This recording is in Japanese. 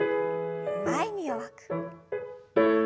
前に弱く。